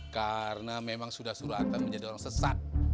karena memang sudah suruh atta menjadi orang sesat